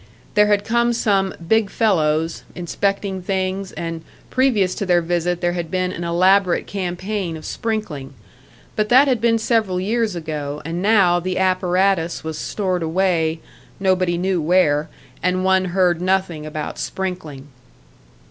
There had come some "big fellows" inspecting things, and previous to their visit there had been an elaborate campaign of sprinkling. But that had been several years ago, and now the apparatus was stored away, nobody knew where, and one heard nothing about sprinkling.